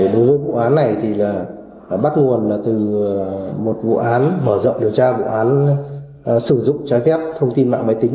đối với vụ án này thì là bắt nguồn là từ một vụ án mở rộng điều tra vụ án sử dụng trái phép thông tin mạng máy tính